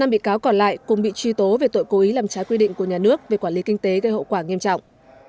năm bị cáo còn lại cùng bị truy tố về tội cố ý làm trái quy định của nhà nước về quản lý kinh tế gây hậu quả nghiêm trọng